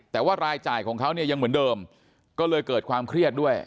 แต่ว่ารายจ่ายของเขาเนี่ยยังเหมือนเดิมก็เลยเกิดความเครียดด้วย